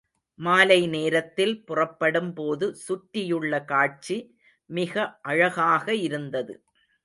மாலை நேரத்தில் புறப்படும் போது சுற்றியுள்ள காட்சி மிக அழகாக இருந்தது.